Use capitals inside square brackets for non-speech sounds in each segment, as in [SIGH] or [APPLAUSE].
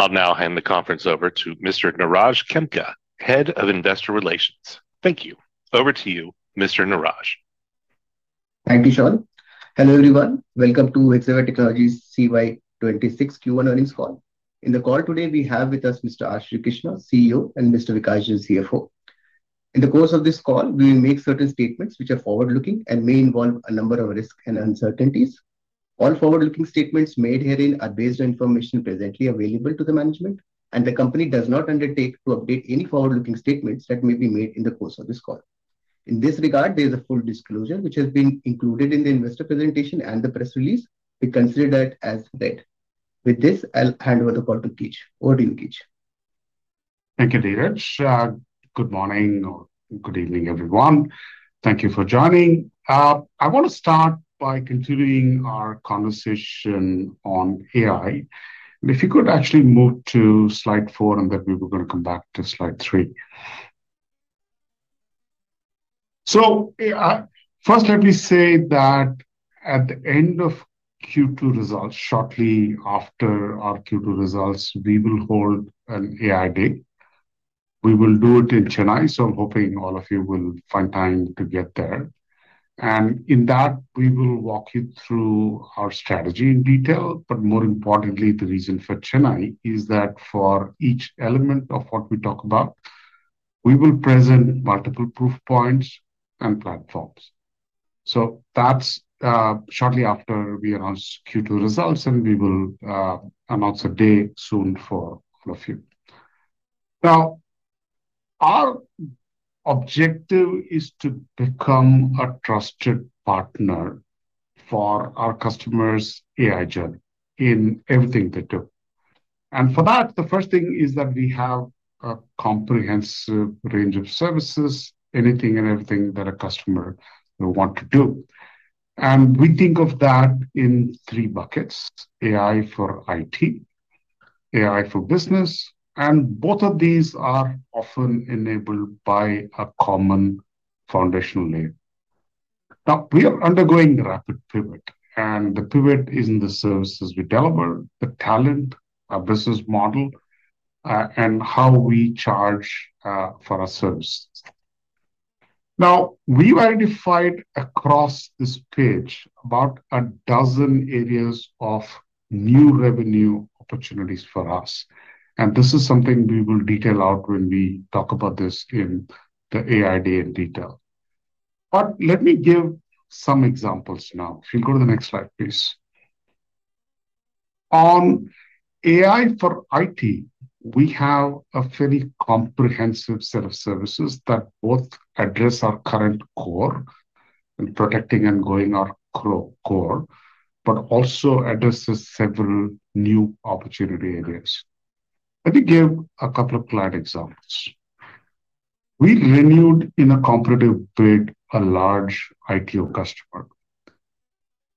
I'll now hand the conference over to Mr. Niraj Khemka, Head of Investor Relations. Thank you. Over to you, Mr. Niraj. Thank you, Sean. Hello, everyone. Welcome to Hexaware Technologies' CY 2026 Q1 earnings call. In the call today, we have with us Mr. R. Srikrishna, CEO, and Mr. Vikash Jain, CFO. In the course of this call, we will make certain statements which are forward-looking and may involve a number of risks and uncertainties. All forward-looking statements made herein are based on information presently available to the management, and the company does not undertake to update any forward-looking statements that may be made in the course of this call. In this regard, there's a full disclosure which has been included in the investor presentation and the press release, be considered as read. With this, I'll hand over the call to Keech. Over to you, Keech. Thank you, Niraj. Good morning or good evening, everyone. Thank you for joining. I want to start by continuing our conversation on AI. If you could actually move to Slide 4, and then we were going to come back to Slide 3. First let me say that at the end of Q2 results, shortly after our Q2 results, we will hold an AI day. We will do it in Chennai, so I'm hoping all of you will find time to get there. In that we will walk you through our strategy in detail, but more importantly, the reason for Chennai is that for each element of what we talk about, we will present multiple proof points and platforms. That's shortly after we announce Q2 results. We will announce a day soon for all of you. Our objective is to become a trusted partner for our customers' AI journey in everything they do. For that, the first thing is that we have a comprehensive range of services, anything and everything that a customer will want to do. We think of that in three buckets: AI for IT, AI for business, and both of these are often enabled by a common foundational layer. We are undergoing rapid pivot, and the pivot is in the services we deliver, the talent, our business model, and how we charge for our services. We've identified across this page about a dozen areas of new revenue opportunities for us, and this is something we will detail out when we talk about this in the AI day in detail. Let me give some examples now. If you go to the next slide, please. On AI for IT, we have a very comprehensive set of services that both address our current core and protecting and growing our co-core, also addresses several new opportunity areas. Let me give a couple of client examples. We renewed in a competitive bid a large IT customer.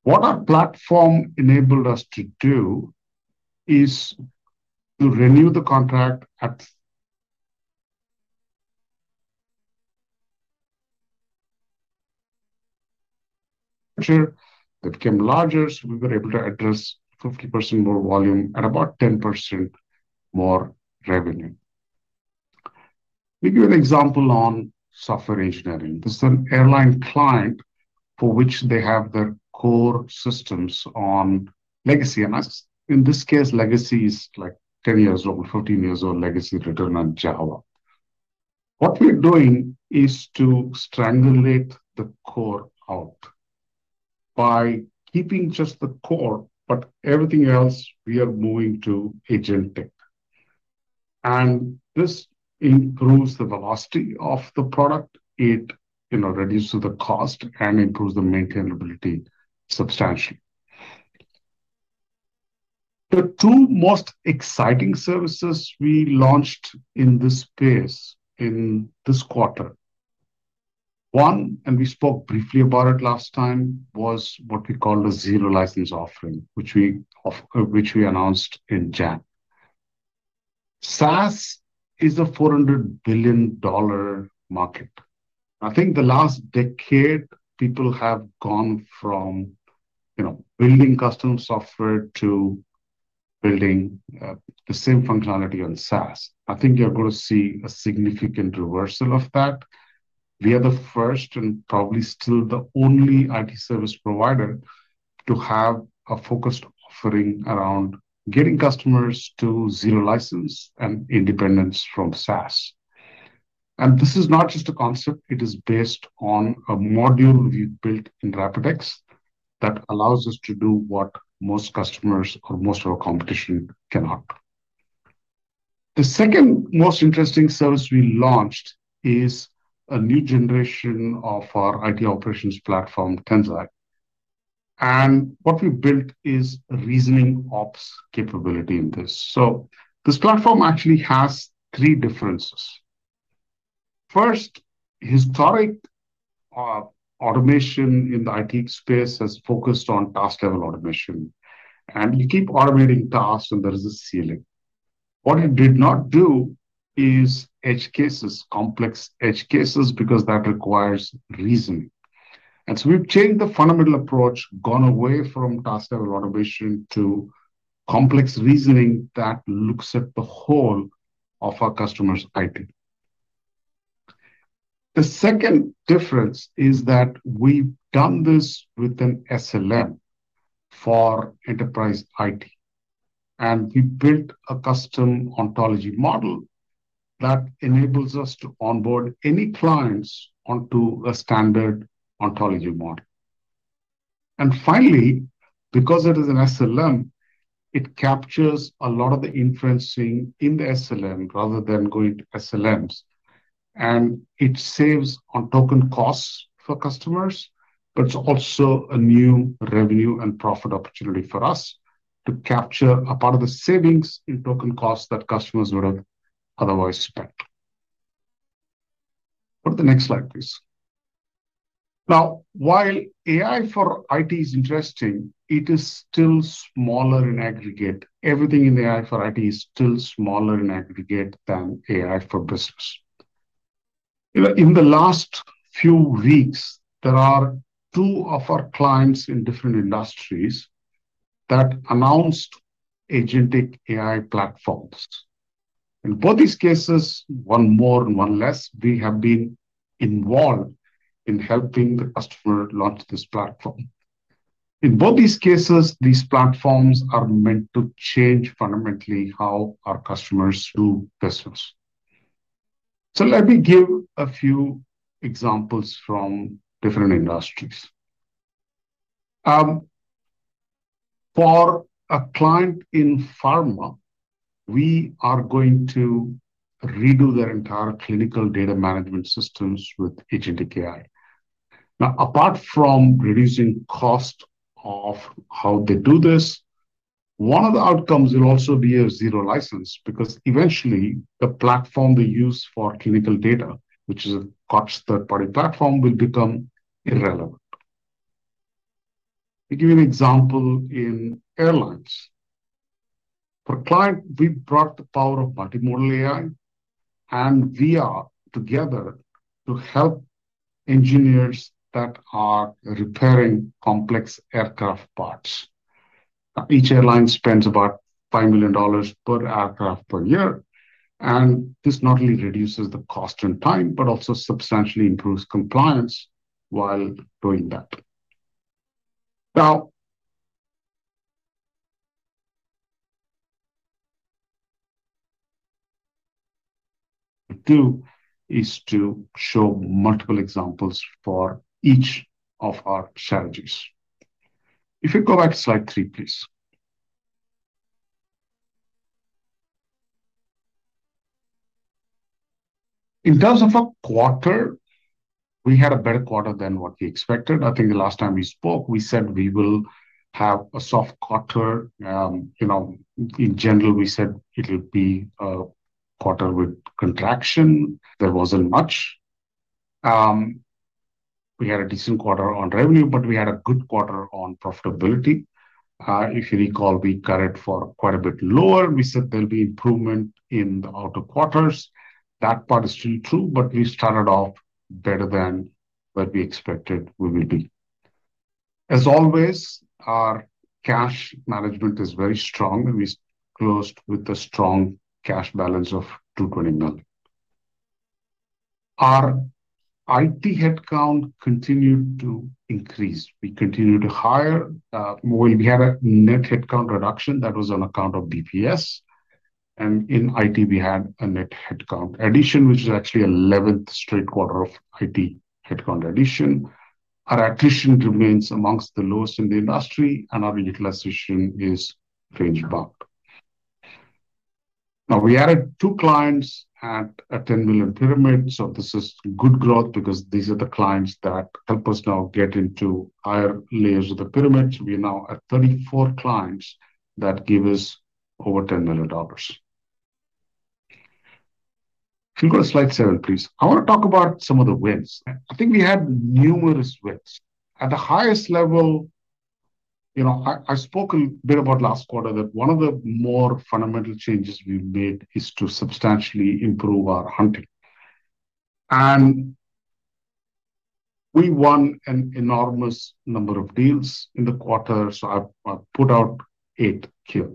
What our platform enabled us to do is to renew the contract at [AUDIO DISTORTION] that became larger, we were able to address 50% more volume and about 10% more revenue. Let me give you an example on software engineering. This is an airline client for which they have their core systems on legacy. In this case, legacy is like 10 years old, 14 years old legacy written on Java. What we're doing is to strangulate the core out by keeping just the core, everything else we are moving to Agentic. This improves the velocity of the product. It, you know, reduces the cost and improves the maintainability substantially. The two most exciting services we launched in this space in this quarter, one, and we spoke briefly about it last time, was what we call a Zero License offering, which we announced in January. SaaS is a $400 billion market. I think the last decade people have gone from, you know, building custom software to building the same functionality on SaaS. I think you're gonna see a significant reversal of that. We are the first and probably still the only IT service provider to have a focused offering around getting customers to Zero License and independence from SaaS. This is not just a concept, it is based on a module we built in RapidX that allows us to do what most customers or most of our competition cannot. The second most interesting service we launched is a new generation of our IT operations platform, Tensai. What we built is Reasoning Ops capability in this. This platform actually has three differences. First, historic automation in the IT space has focused on task-level automation. You keep automating tasks, and there is a ceiling. What it did not do is edge cases, complex edge cases, because that requires reasoning. We've changed the fundamental approach, gone away from task-level automation to complex reasoning that looks at the whole of our customer's IT. The second difference is that we've done this with an SLM for enterprise IT, and we built a custom ontology model that enables us to onboard any clients onto a standard ontology model. Finally, because it is an SLM, it captures a lot of the inferencing in the SLM rather than going to SLMs, and it saves on token costs for customers, but it's also a new revenue and profit opportunity for us to capture a part of the savings in token costs that customers would have otherwise spent. Go to the next slide, please. While AI for IT is interesting, it is still smaller in aggregate. Everything in AI for IT is still smaller in aggregate than AI for business. You know, in the last few weeks, there are two of our clients in different industries that announced Agentic AI platforms. In both these cases, one more and one less, we have been involved in helping the customer launch this platform. In both these cases, these platforms are meant to change fundamentally how our customers do business. Let me give a few examples from different industries. For a client in pharma, we are going to redo their entire clinical data management systems with Agentic AI. Apart from reducing cost of how they do this, one of the outcomes will also be a Zero License because eventually the platform they use for clinical data, which is a cost third-party platform, will become irrelevant. To give you an example in airlines. For a client, we brought the power of multimodal AI and VR together to help engineers that are repairing complex aircraft parts. Each airline spends about $5 million per aircraft per year, this not only reduces the cost and time, but also substantially improves compliance while doing that. Now do is to show multiple examples for each of our strategies. If you go back to Slide 3, please. In terms of a quarter, we had a better quarter than what we expected. I think the last time we spoke, we said we will have a soft quarter. You know, in general, we said it'll be a quarter with contraction. There wasn't much. We had a decent quarter on revenue, we had a good quarter on profitability. If you recall, we guided for quite a bit lower. We said there'll be improvement in the outer quarters. That part is still true, we started off better than what we expected we will be. As always, our cash management is very strong, and we closed with a strong cash balance of $220 million. Our IT headcount continued to increase. We continued to hire. Well, we had a net headcount reduction that was on account of BPS. In IT, we had a net headcount addition, which is actually 11th straight quarter of IT headcount addition. Our attrition remains amongst the lowest in the industry, and our utilization is range bound. Now, we added two clients at a $10 million pyramid. This is good growth because these are the clients that help us now get into higher layers of the pyramid. We are now at 34 clients that give us over $10 million. Can you go to Slide 7, please? I want to talk about some of the wins. I think we had numerous wins. At the highest level, you know, I spoke a bit about last quarter that one of the more fundamental changes we've made is to substantially improve our hunting. We won an enormous number of deals in the quarter. I've put out eight here.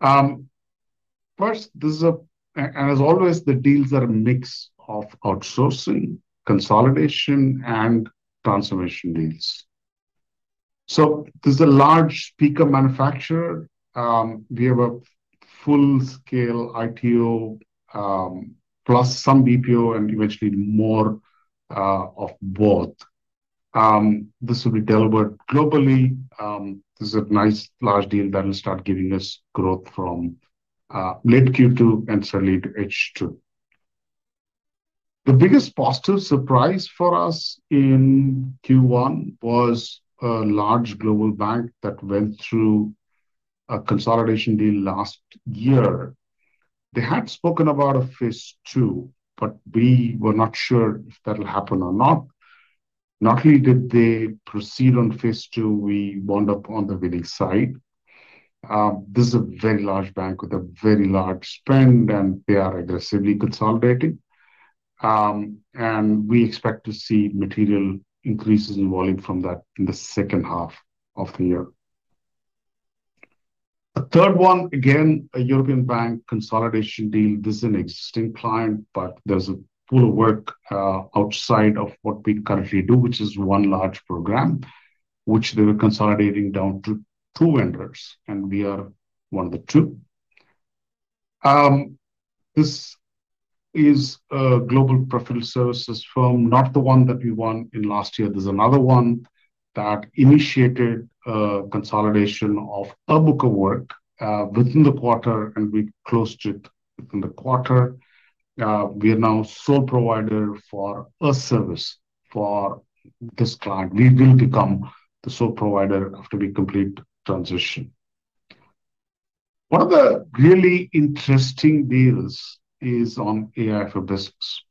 First, this is a and as always, the deals are a mix of outsourcing, consolidation, and transformation deals. This is a large PIKA manufacturer. We have a full-scale ITO, plus some BPO, and eventually more of both. This will be delivered globally. This is a nice large deal that will start giving us growth from late Q2 and certainly to H2. The biggest positive surprise for us in Q1 was a large global bank that went through a consolidation deal last year. They had spoken about a phase II, but we were not sure if that'll happen or not. Not only did they proceed on phase II, we wound up on the winning side. This is a very large bank with a very large spend, and they are aggressively consolidating. We expect to see material increases in volume from that in the second half of the year. The third one, again, a European bank consolidation deal. This is an existing client, but there's a pool of work outside of what we currently do, which is one large program, which they're consolidating down to two vendors, and we are one of the two. This is a global professional services firm, not the one that we won in last year. There's another one that initiated a consolidation of a book of work within the quarter, and we closed it within the quarter. We are now sole provider for a service for this client. We will become the sole provider after we complete transition. One of the really interesting deals is on AI for business.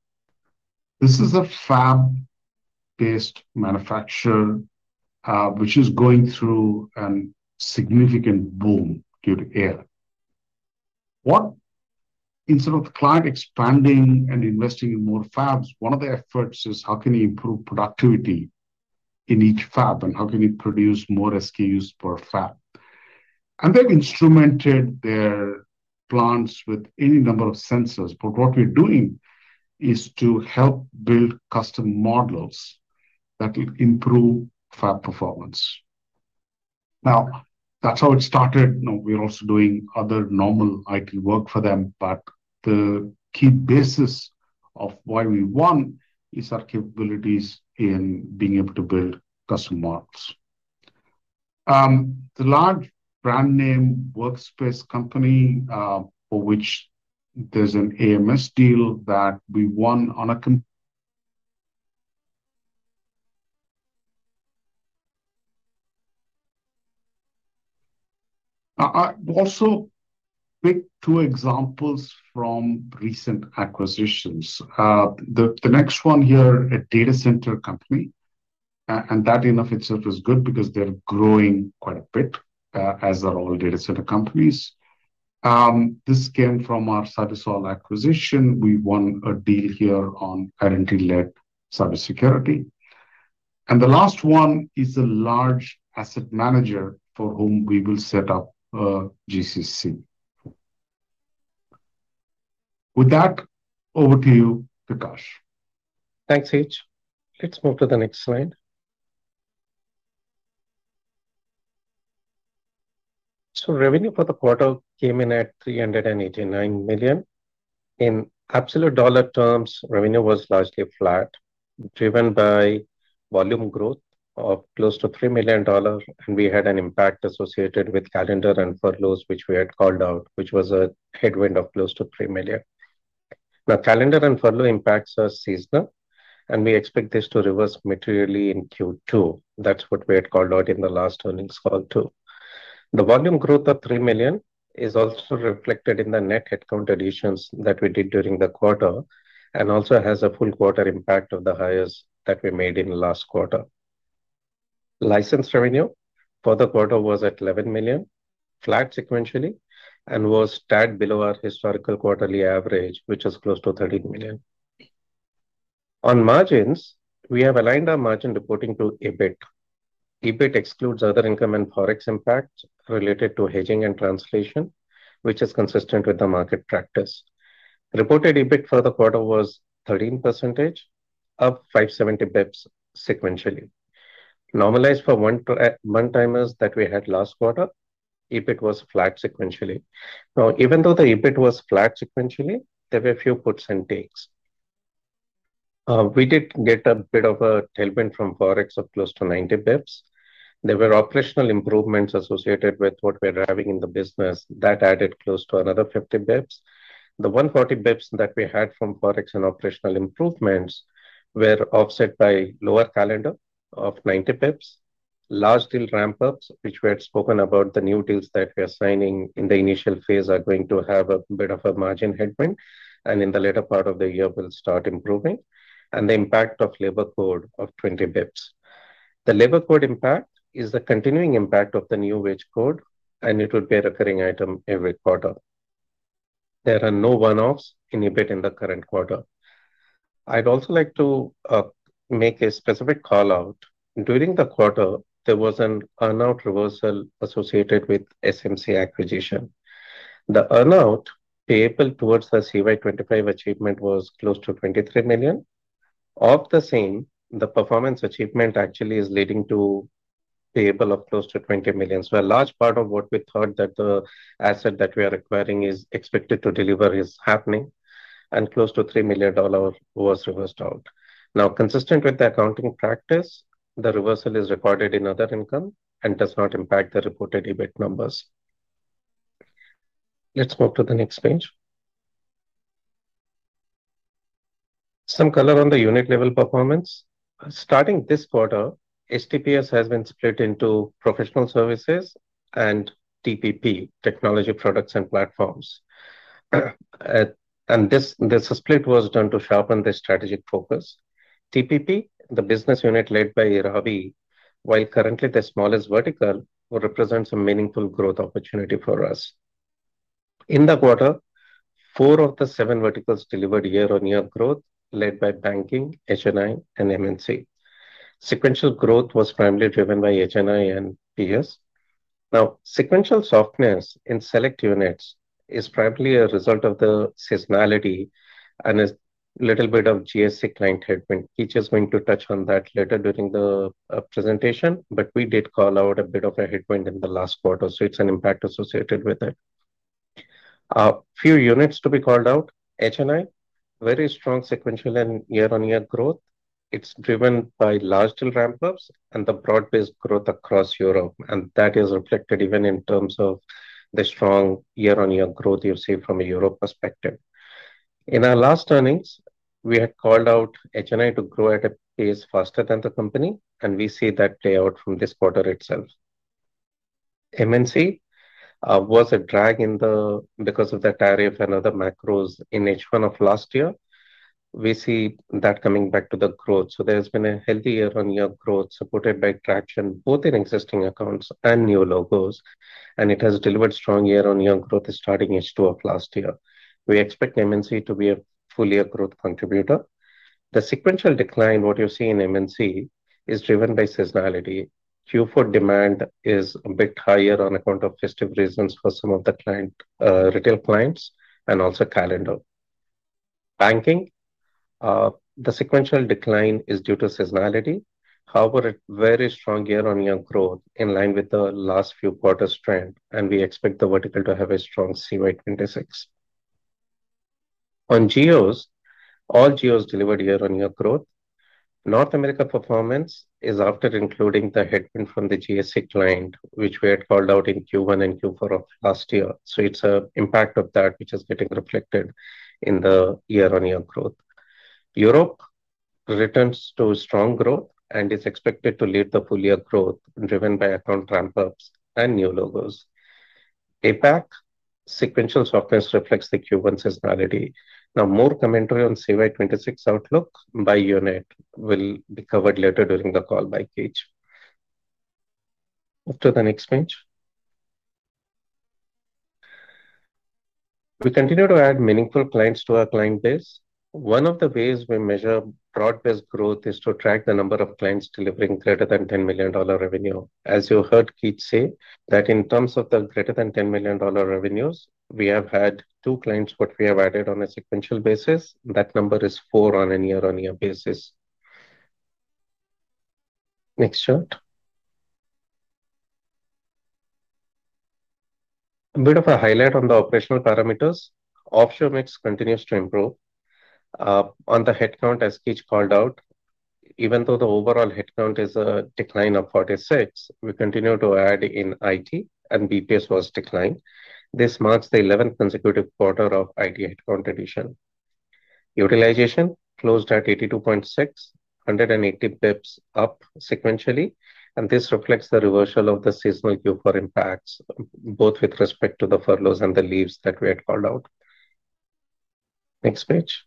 This is a fab-based manufacturer which is going through a significant boom due to AI. Instead of the client expanding and investing in more fabs, one of the efforts is how can you improve productivity in each fab, and how can you produce more SKUs per fab? They've instrumented their plants with any number of sensors. What we're doing is to help build custom models that will improve fab performance. Now, that's how it started. Now we're also doing other normal IT work for them. The key basis of why we won is our capabilities in being able to build custom models. The large brand name workspace company, for which there's an AMS deal that we won. Quick two examples from recent acquisitions. The next one here, a data center company, and that in of itself is good because they're growing quite a bit, as are all data center companies. This came from our CyberSolve acquisition. We won a deal here on identity-led cybersecurity. The last one is a large asset manager for whom we will set up a GCC. With that, over to you, Vikash. Thanks, Keech. Let's move to the next slide. Revenue for the quarter came in at $389 million. In absolute dollar terms, revenue was largely flat, driven by volume growth of close to $3 million, and we had an impact associated with calendar and furloughs, which we had called out, which was a headwind of close to $3 million. Calendar and furlough impacts are seasonal, and we expect this to reverse materially in Q2. That's what we had called out in the last earnings call too. The volume growth of $3 million is also reflected in the net headcount additions that we did during the quarter and also has a full quarter impact of the hires that we made in last quarter. License revenue for the quarter was at $11 million, flat sequentially, and was tagged below our historical quarterly average, which is close to $13 million. On margins, we have aligned our margin reporting to EBIT. EBIT excludes other income and Forex impacts related to hedging and translation, which is consistent with the market practice. Reported EBIT for the quarter was 13%, up 570 basis points sequentially. Normalized for one-timers that we had last quarter, EBIT was flat sequentially. Even though the EBIT was flat sequentially, there were a few puts and takes. We did get a bit of a tailwind from Forex of close to 90 basis points. There were operational improvements associated with what we're driving in the business that added close to another 50 basis points. The 140 basis points that we had from Forex and operational improvements were offset by lower calendar of 90 basis points. Large deal ramp-ups, which we had spoken about the new deals that we are signing in the initial phase are going to have a bit of a margin headwind, and in the later part of the year will start improving, and the impact of labor code of 20 basis points. The labor code impact is the continuing impact of the new wage code, and it will be a recurring item every quarter. There are no one-offs in EBIT in the current quarter. I'd also like to make a specific call-out. During the quarter, there was an earn-out reversal associated with SMC acquisition. The earn-out payable towards the CY 2025 achievement was close to $23 million. Of the same, the performance achievement actually is leading to payable of close to $20 million. A large part of what we thought that the asset that we are acquiring is expected to deliver is happening, and close to $3 million was reversed out. Consistent with the accounting practice, the reversal is recorded in other income and does not impact the reported EBIT numbers. Let's move to the next page. Some color on the unit level performance. Starting this quarter, HTPS has been split into Professional Services and TPP, Technology Products and Platforms. This split was done to sharpen the strategic focus. TPP, the business unit led by Ravi, while currently the smallest vertical, will represent some meaningful growth opportunity for us. In the quarter, four of the seven verticals delivered year-on-year growth, led by Banking, H&I and M&C. Sequential growth was primarily driven by H&I and PS. Sequential softness in select units is primarily a result of the seasonality and a little bit of GSC client headwind. Keech is going to touch on that later during the presentation. We did call out a bit of a headwind in the last quarter, so it's an impact associated with it. A few units to be called out. H&I, very strong sequential and year-on-year growth. It's driven by large deal ramp-ups and the broad-based growth across Europe, and that is reflected even in terms of the strong year-on-year growth you've seen from a Europe perspective. In our last earnings, we had called out H&I to grow at a pace faster than the company, and we see that play out from this quarter itself. M&C was a drag in the because of the tariff and other macros in H1 of last year. We see that coming back to the growth. There's been a healthy year-on-year growth supported by traction both in existing accounts and new logos. It has delivered strong year-on-year growth starting H2 of last year. We expect M&C to be a full year growth contributor. The sequential decline, what you see in M&C, is driven by seasonality. Q4 demand is a bit higher on account of festive reasons for some of the client retail clients and also calendar. Banking, the sequential decline is due to seasonality. A very strong year-on-year growth in line with the last few quarters trend. We expect the vertical to have a strong CY 2026. On geos. All geos delivered year-on-year growth. North America performance is after including the headwind from the GSC client, which we had called out in Q1 and Q4 of last year. It's an impact of that which is getting reflected in the year-on-year growth. Europe returns to strong growth and is expected to lead the full year growth driven by account ramp-ups and new logos. APAC sequential softness reflects the Q1 seasonality. More commentary on CY 2026 outlook by unit will be covered later during the call by Keech. After the next page. We continue to add meaningful clients to our client base. One of the ways we measure broad-based growth is to track the number of clients delivering greater than $10 million revenue. As you heard Keech say, that in terms of the greater than $10 million revenues, we have had two clients what we have added on a sequential basis. That number is four on a year-on-year basis. Next chart. A bit of a highlight on the operational parameters. Offshore mix continues to improve. On the headcount, as Keech called out, even though the overall headcount is a decline of 46, we continue to add in IT, and BPS was declined. This marks the 11th consecutive quarter of IT headcount addition. Utilization closed at 82.6, 180 basis points up sequentially, and this reflects the reversal of the seasonal Q4 impacts, both with respect to the furloughs and the leaves that we had called out. Next page.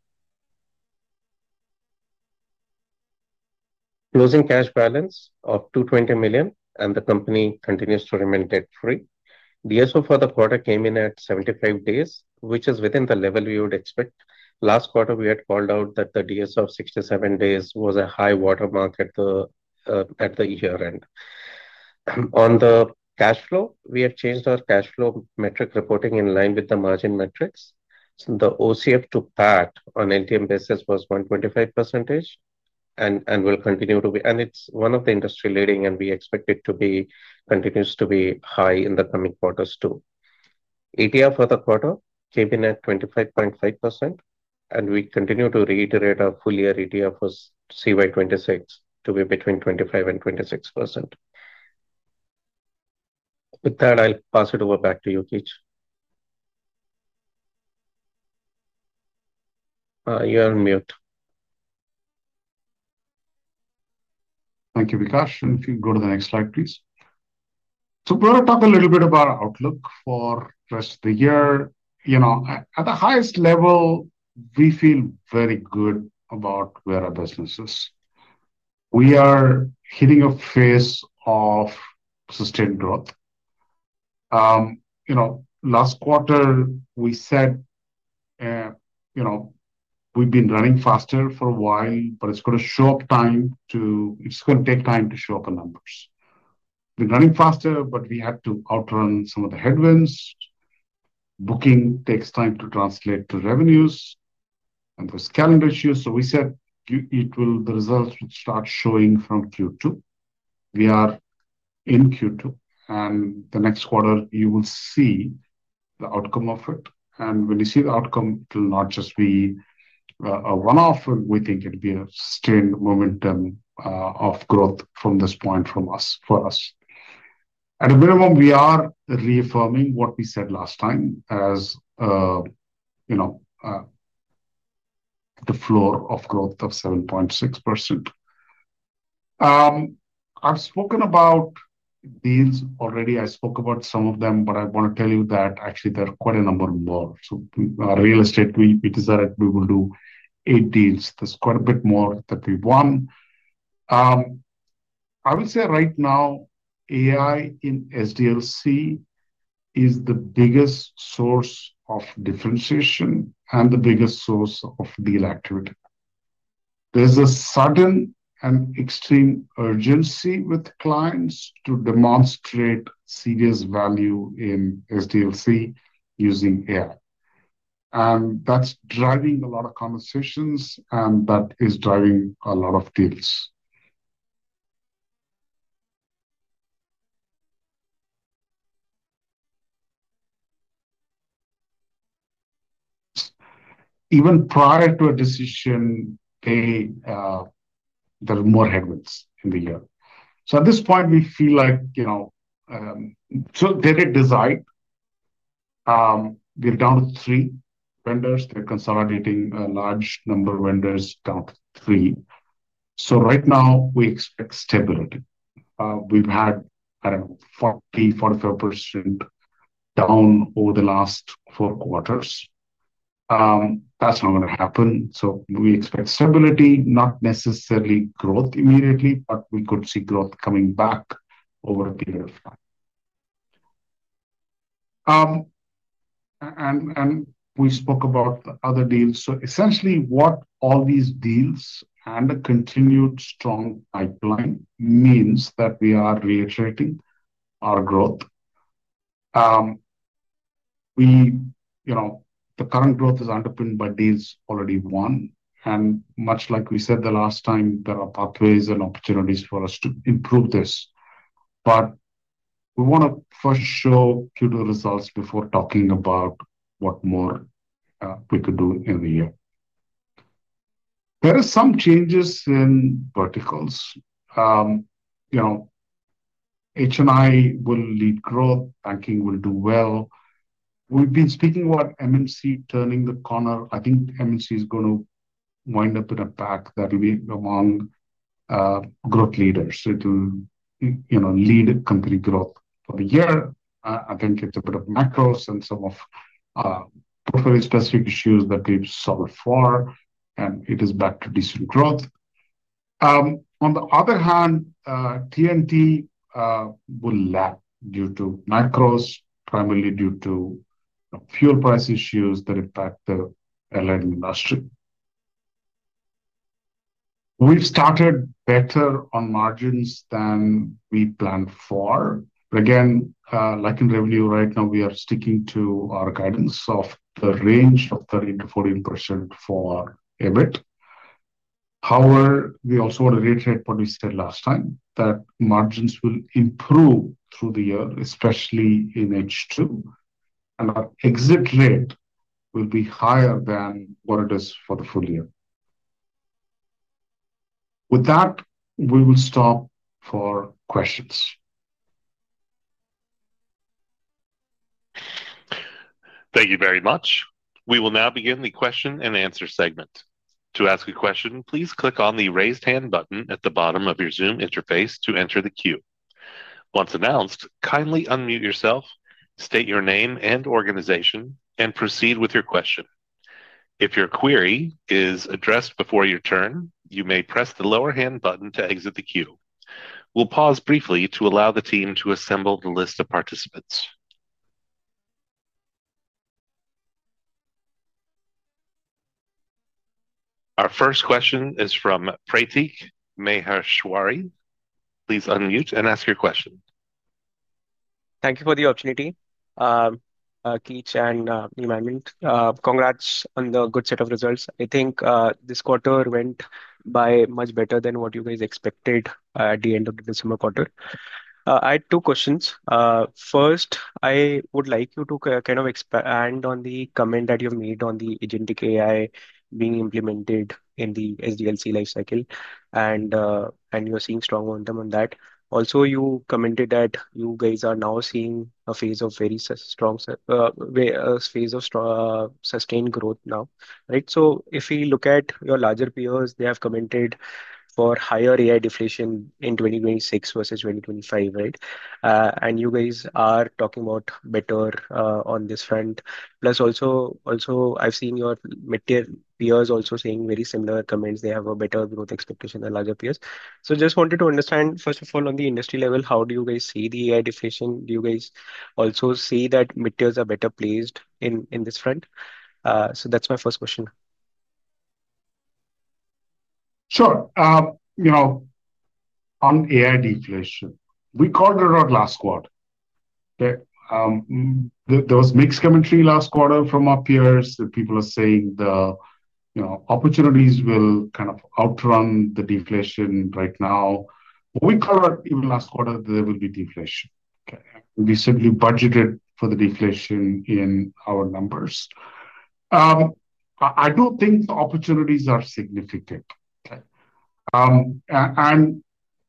Closing cash balance of $220 million. The company continues to remain debt-free. DSO for the quarter came in at 75 days, which is within the level we would expect. Last quarter, we had called out that the DSO of 67 days was a high water mark at the year-end. On the cash flow, we have changed our cash flow metric reporting in line with the margin metrics. The OCF to PAT on LTM basis was 125% and continues to be high in the coming quarters too. ETR for the quarter came in at 25.5%, and we continue to reiterate our full year ETR for CY 2026 to be between 25% and 26%. With that, I'll pass it over back to you, Keech. You're on mute. Thank you, Vikash. If you go to the next slide, please. We're going to talk a little bit about our outlook for rest of the year. You know, at the highest level, we feel very good about where our business is. We are hitting a phase of sustained growth. You know, last quarter we said, you know, we've been running faster for a while, but it's going to take time to show up on numbers. We're running faster, but we had to outrun some of the headwinds. Booking takes time to translate to revenues and there's calendar issues. We said the results would start showing from Q2. We are in Q2, and the next quarter you will see the outcome of it. When you see the outcome, it will not just be a one-off. We think it'll be a sustained momentum of growth from this point from us, for us. At a minimum, we are reaffirming what we said last time as, you know, the floor of growth of 7.6%. I've spoken about deals already. I spoke about some of them. I wanna tell you that actually there are quite a number more. Real estate, we decided we will do eight deals. There's quite a bit more that we won. I would say right now, AI in SDLC is the biggest source of differentiation and the biggest source of deal activity. There's a sudden and extreme urgency with clients to demonstrate serious value in SDLC using AI. That's driving a lot of conversations, and that is driving a lot of deals. Even prior to a decision, they, there are more headwinds in the year. At this point, we feel like, you know, they get decided. We're down to three vendors. They're consolidating a large number of vendors down to three. Right now we expect stability. We've had around 40%, 45% down over the last four quarters. That's not gonna happen. We expect stability, not necessarily growth immediately, but we could see growth coming back over a period of time. We spoke about other deals. Essentially, what all these deals and a continued strong pipeline means that we are reiterating our growth. We, you know, the current growth is underpinned by deals already won. Much like we said the last time, there are pathways and opportunities for us to improve this. We want to first show Q2 results before talking about what more we could do in the year. There are some changes in verticals. You know, H&I will lead growth. Banking will do well. We've been speaking about M&C turning the corner. I think M&C is going to wind up in a pack that will be among growth leaders. It will, you know, lead company growth for the year. I think it's a bit of macros and some of portfolio-specific issues that we've solved for, and it is back to decent growth. On the other hand, T&T will lag due to macros, primarily due to fuel price issues that impact the airline industry. We've started better on margins than we planned for. Again, like in revenue, right now we are sticking to our guidance of the range of 13%-14% for EBIT. We also wanna reiterate what we said last time, that margins will improve through the year, especially in H2, and our exit rate will be higher than what it is for the full year. With that, we will stop for questions. Thank you very much. We will now begin the question and answer segment. To ask a question, please click on the Raise Hand button at the bottom of your Zoom interface to enter the queue. Once announced, kindly unmute yourself, state your name and organization, and proceed with your question. If your query is addressed before your turn, you may press the lower hand button to exit the queue. We'll pause briefly to allow the team to assemble the list of participants. Our first question is from Pratik Maheshwari. Please unmute and ask your question. Thank you for the opportunity, Keech and Hemant. Congrats on the good set of results. I think this quarter went by much better than what you guys expected at the end of the December quarter. I had two questions. First, I would like you to expand on the comment that you made on the Agentic AI being implemented in the SDLC life cycle, you're seeing strong momentum on that. Also, you commented that you guys are now seeing a phase of very strong sustained growth now, right? If we look at your larger peers, they have commented for higher AI deflation in 2026 versus 2025, right? You guys are talking about better on this front. Also, I've seen your mid-tier peers also saying very similar comments. They have a better growth expectation than larger peers. Just wanted to understand, first of all, on the industry level, how do you guys see the AI deflation? Do you guys also see that mid-tiers are better placed in this front? That's my first question. Sure. You know, on AI deflation, we called it out last quarter that there was mixed commentary last quarter from our peers. The people are saying the, you know, opportunities will kind of outrun the deflation right now. We called out even last quarter that there will be deflation. Okay? We simply budgeted for the deflation in our numbers. I do think the opportunities are significant. And,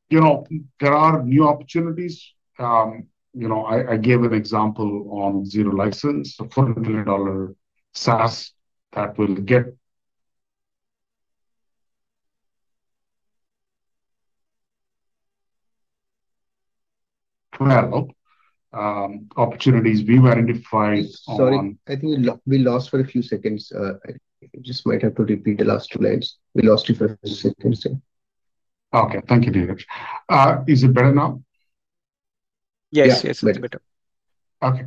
you know, there are new opportunities. You know, I gave an example on Zero License, a $400 million SaaS that will get [AUDIO DISTORTION] opportunities we've identified on- Sorry, I think we lost for a few seconds. You just might have to repeat the last two lines. We lost you for a few seconds there. Okay. Thank you, Deepak. Is it better now? Yes. Yes. Yeah. It's better. Okay.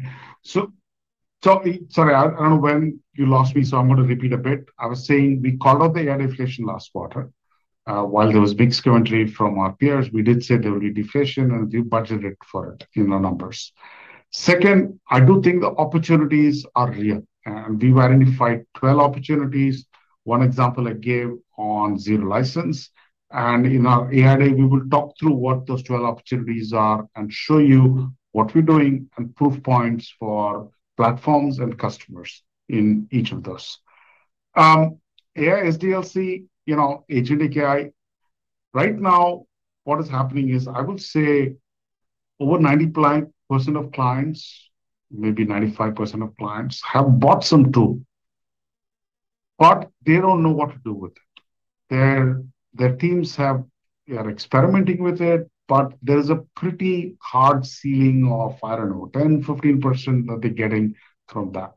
Sorry, I don't know when you lost me, so I'm gonna repeat a bit. I was saying we called out the AI deflation last quarter. While there was big scrutiny from our peers, we did say there will be deflation and we budgeted for it in our numbers. Second, I do think the opportunities are real, and we've identified 12 opportunities. One example I gave on Zero License. In our AI day, we will talk through what those 12 opportunities are and show you what we're doing and proof points for platforms and customers in each of those. AI SDLC, you know, Agentic AI. Right now, what is happening is, I would say over 90% of clients, maybe 95% of clients have bought some tool, but they don't know what to do with it. Their teams are experimenting with it, but there's a pretty hard ceiling of, I don't know, 10%, 15% that they're getting from that.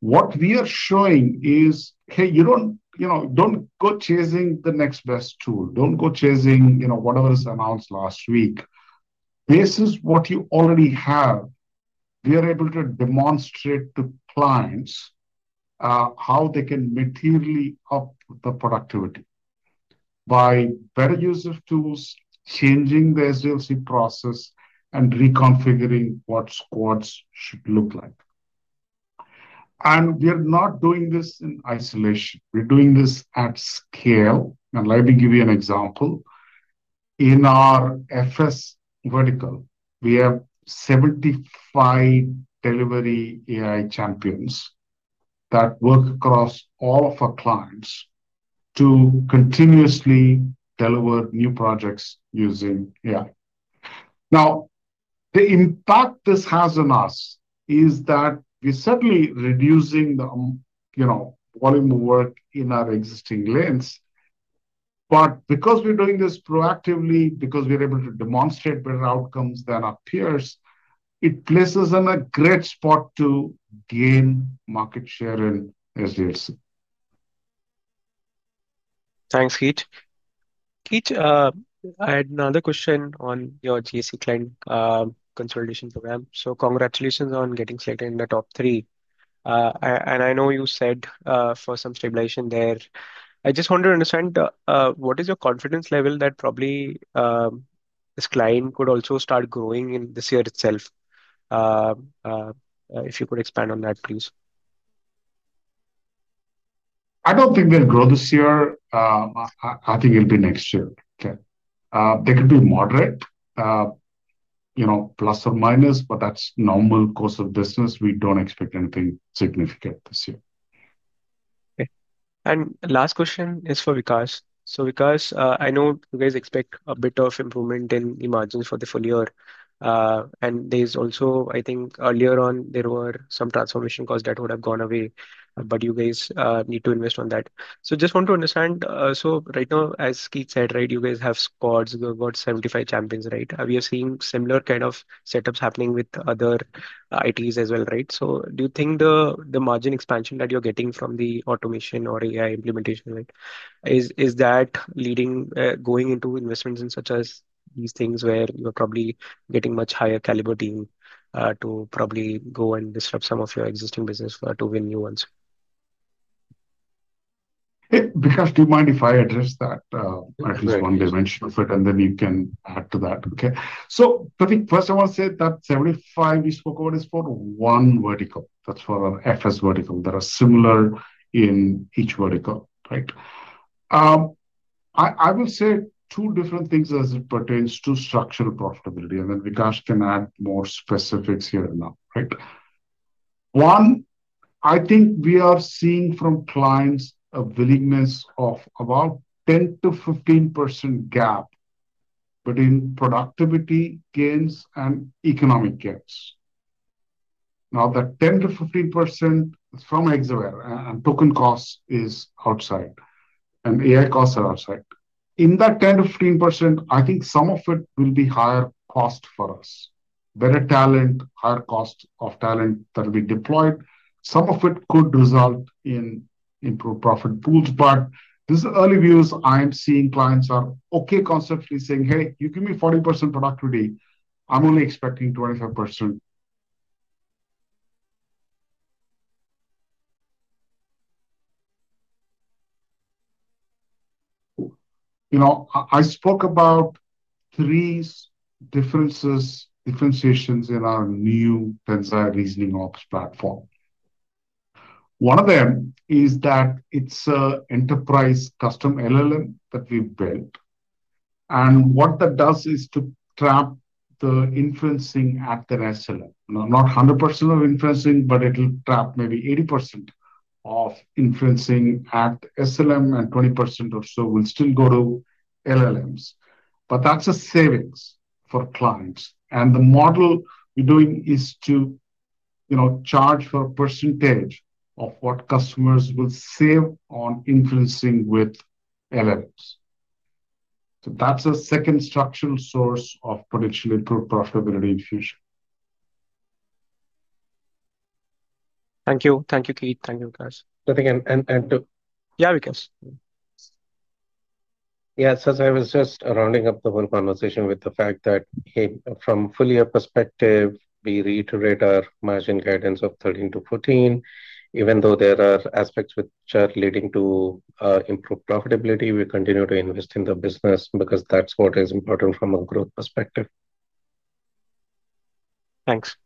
What we are showing is, hey, you don't, you know, don't go chasing the next best tool. Don't go chasing, you know, whatever is announced last week. Based on what you already have, we are able to demonstrate to clients how they can materially up the productivity by better use of tools, changing the SDLC process, and reconfiguring what squads should look like. We are not doing this in isolation. We're doing this at scale. Let me give you an example. In our FS vertical, we have 75 delivery AI champions that work across all of our clients to continuously deliver new projects using AI. The impact this has on us is that we're certainly reducing the, you know, volume of work in our existing lanes. But because we're doing this proactively, because we're able to demonstrate better outcomes than our peers, it places us in a great spot to gain market share in SDLC. Thanks, Keech. Keech, I had another question on your GSC client consolidation program. Congratulations on getting selected in the top three. I know you said for some stabilization there. I just want to understand what is your confidence level that probably this client could also start growing in this year itself? If you could expand on that, please. I don't think they'll grow this year. I think it'll be next year. Okay? They could be moderate, you know, ±, but that's normal course of business. We don't expect anything significant this year. Okay. Last question is for Vikash. Vikash, I know you guys expect a bit of improvement in the margins for the full year. There's also, I think earlier on, there were some transformation costs that would have gone away, but you guys need to invest on that. Just want to understand. Right now, as Keech said, right, you guys have squads. You've got 75 champions, right? We are seeing similar kind of setups happening with other ITs as well, right? Do you think the margin expansion that you're getting from the automation or AI implementation, right, is that going into investments in such as these things where you're probably getting much higher caliber team to probably go and disrupt some of your existing business to win new ones? Vikash, do you mind if I address that? Sure. At least one dimension of it, and then you can add to that. Okay. Pratik, first I want to say that 75 we spoke about is for one vertical. That's for our FS vertical. There are similar in each vertical, right? I will say two different things as it pertains to structural profitability, and then Vikas can add more specifics here and now. Right? One, I think we are seeing from clients a willingness of about 10%-15% gap, but in productivity gains and economic gains. Now, that 10%-15% is from Hexaware, and token cost is outside, and AI costs are outside. In that 10%-15%, I think some of it will be higher cost for us. Better talent, higher cost of talent that'll be deployed. Some of it could result in improved profit pools. This is early views. I'm seeing clients are okay conceptually saying, hey, you give me 40% productivity. I'm only expecting 25%. You know, I spoke about three differentiations in our new Tensai Reasoning Ops platform. One of them is that it's a enterprise custom LLM that we've built. What that does is to trap the inferencing at the SLM. Not 100% of inferencing, but it'll trap maybe 80% of inferencing at SLM, and 20% or so will still go to LLMs. That's a savings for clients. The model we're doing is to, you know, charge for a percentage of what customers will save on inferencing with LLMs. That's a second structural source of potentially improved profitability in future. Thank you. Thank you, Keech. Thank you, Vikash. Nothing. Yeah, Vikash. Yeah. I was just rounding up the whole conversation with the fact that, okay, from full year perspective, we reiterate our margin guidance of 13%-14%. Even though there are aspects which are leading to improved profitability, we continue to invest in the business because that's what is important from a growth perspective. Thanks.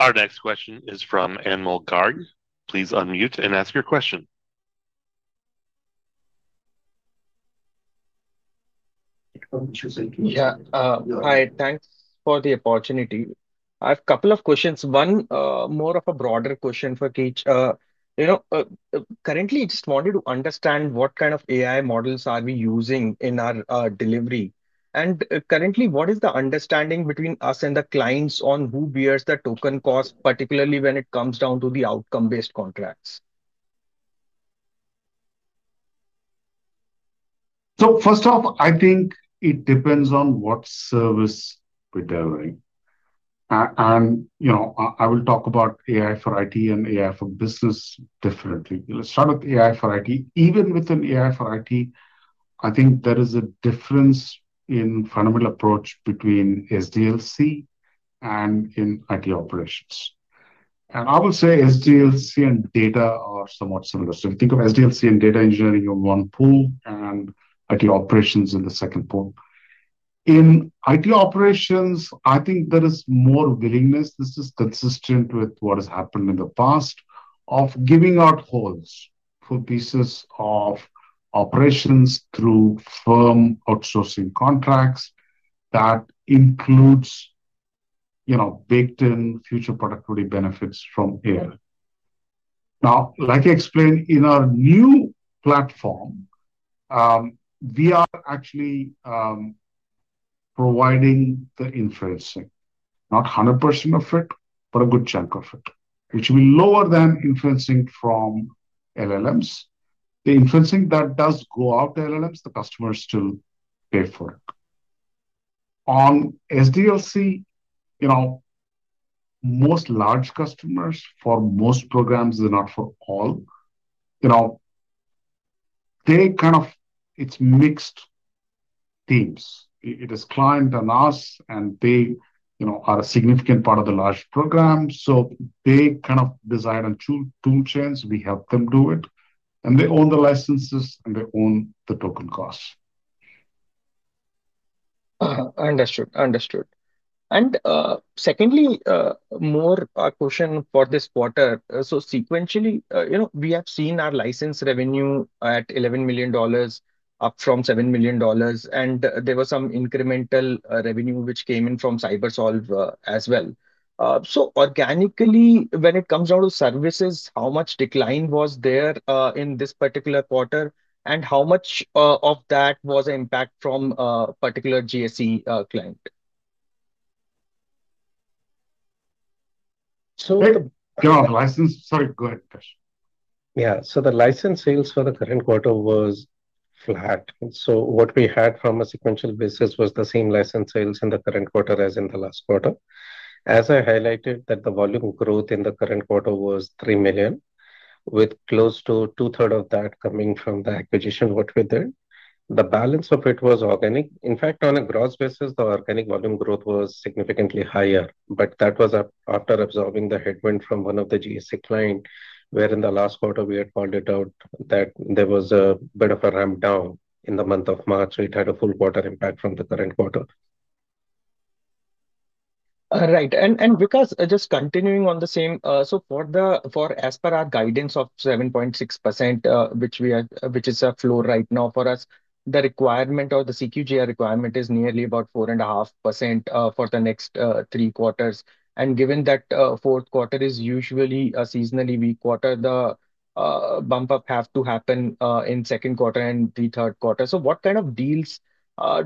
Our next question is from Anmol Garg. Please unmute and ask your question. It won't choose it. Yeah. Hi. Thanks for the opportunity. I have couple of questions. One, more of a broader question for Keech. You know, currently, I just wanted to understand what kind of AI models are we using in our delivery. Currently, what is the understanding between us and the clients on who bears the token cost, particularly when it comes down to the outcome-based contracts? First off, I think it depends on what service we're delivering. You know, I will talk about AI for IT and AI for business differently. Let's start with AI for IT. Even within AI for IT, I think there is a difference in fundamental approach between SDLC and in IT operations. I will say SDLC and data are somewhat similar. If you think of SDLC and data engineering in one pool and IT operations in the second pool. In IT operations, I think there is more willingness, this is consistent with what has happened in the past, of giving out holes for pieces of operations through firm outsourcing contracts. That includes, you know, baked-in future productivity benefits from AI. Like I explained, in our new platform, we are actually providing the inferencing, not 100% of it, but a good chunk of it, which will be lower than inferencing from LLMs. The inferencing that does go out to LLMs, the customers still pay for it. On SDLC, you know, most large customers for most programs, if not for all, you know, It's mixed teams. It is client and us, and they, you know, are a significant part of the large program, so they kind of design a tool chains. We help them do it, they own the licenses and they own the token costs. Understood. Understood. Secondly, more a question for this quarter. Sequentially, you know, we have seen our licensed revenue at $11 million, up from $7 million, and there was some incremental revenue which came in from CyberSolve as well. Organically, when it comes down to services, how much decline was there in this particular quarter? How much of that was impact from a particular GSC client? Yeah. License. Sorry, go ahead, Vikash. Yeah. The license sales for the current quarter was flat. What we had from a sequential basis was the same license sales in the current quarter as in the last quarter. As I highlighted, that the volume growth in the current quarter was 3 million, with close to 2/3 of that coming from the acquisition work we did. The balance of it was organic. In fact, on a gross basis, the organic volume growth was significantly higher, but that was after absorbing the headwind from one of the GSC client, where in the last quarter we had pointed out that there was a bit of a ramp down in the month of March, so it had a full quarter impact from the current quarter. Right. Vikash, just continuing on the same. For as per our guidance of 7.6%, which is our floor right now for us, the requirement or the CQGR requirement is nearly about 4.5%, for the next three quarters. Given that, fourth quarter is usually a seasonally weak quarter, the bump up have to happen in second quarter and the third quarter. What kind of deals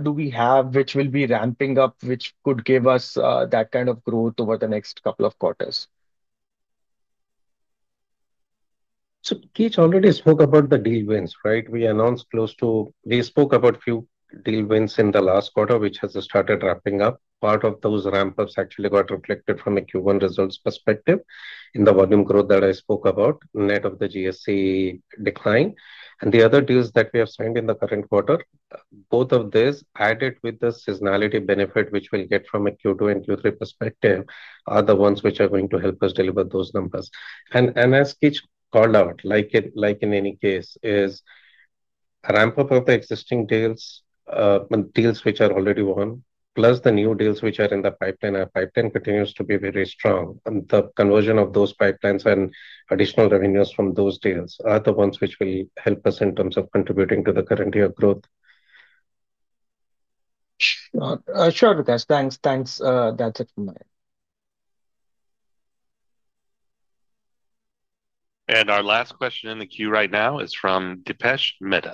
do we have which will be ramping up, which could give us that kind of growth over the next couple of quarters? Keech already spoke about the deal wins, right? We spoke about few deal wins in the last quarter, which has started ramping up. Part of those ramp-ups actually got reflected from a Q1 results perspective in the volume growth that I spoke about, net of the GSC decline. The other deals that we have signed in the current quarter, both of these added with the seasonality benefit, which we'll get from a Q2 and Q3 perspective, are the ones which are going to help us deliver those numbers. As Keech called out, like in any case, is ramp-up of the existing deals which are already won, plus the new deals which are in the pipeline. Our pipeline continues to be very strong. The conversion of those pipelines and additional revenues from those deals are the ones which will help us in terms of contributing to the current year growth. Sure, Vikash. Thanks. That's it from my end. Our last question in the queue right now is from Dipesh Mehta.